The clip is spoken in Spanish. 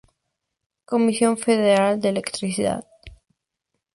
Comisión Federal de Electricidad